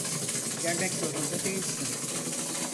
Gelmek zorunda değilsin.